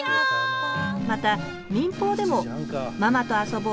また民放でも「ママとあそぼう！